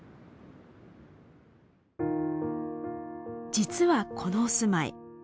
実はこのお住まい